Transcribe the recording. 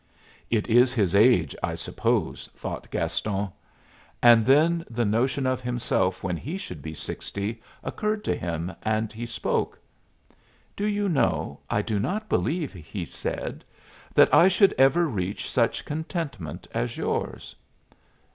"It is his age, I suppose," thought Gaston. And then the notion of himself when he should be sixty occurred to him, and he spoke. "Do you know, I do not believe," said he, "that I should ever reach such contentment as yours."